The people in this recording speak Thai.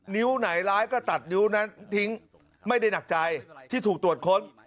นิ้วไหนร้ายก็ตัดนิ้วนั้นทิ้งไม่ได้หนักใจที่ถูกตรวจค้น